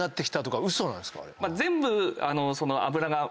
全部。